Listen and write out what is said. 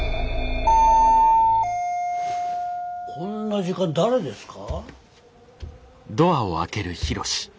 こんな時間に誰ですか？